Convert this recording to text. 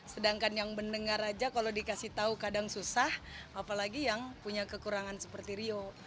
sedangkan yang mendengar aja kalau dikasih tahu kadang susah apalagi yang punya kekurangan seperti rio